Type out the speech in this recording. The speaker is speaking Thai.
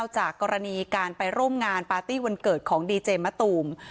จากกรณีการไปร่วมงานปาร์ตี้วันเกิดของดีเจมะตูม